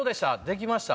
できました？